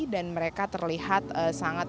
dan mereka terlihat sangat